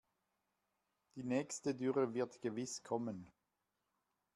Die nächste Dürre wird gewiss kommen.